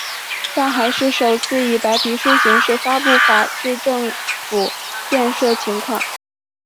上海市首次以白皮书形式发布法治政府建设情况。